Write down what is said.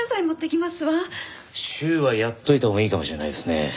シューはやっておいたほうがいいかもしれないですね。